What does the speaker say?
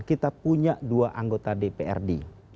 kita punya dua anggota dprd